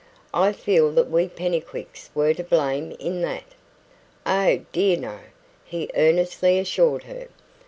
I feel that we Pennycuicks were to blame in that " "Oh, dear, no!" he earnestly assured her.